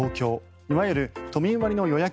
いわゆる都民割の予約